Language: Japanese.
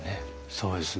そうですね。